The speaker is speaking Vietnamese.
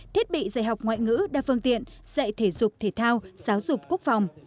thiết bị dạy học ngoại ngữ đa phương tiện dạy thể dục thể thao giáo dục quốc phòng